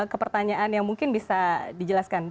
kepertanyaan yang mungkin bisa dijelaskan